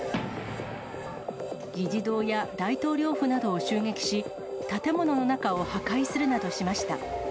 議事堂や大統領府などを襲撃し、建物の中を破壊するなどしました。